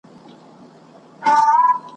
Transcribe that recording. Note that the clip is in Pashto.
ستا په دې زاړه درمل به کله په زړه ښاد سمه `